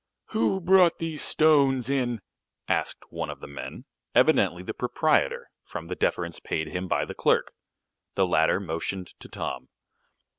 "Who brought these stones in?" asked one of the men, evidently the proprietor, from the deference paid him by the clerk. The latter motioned to Tom.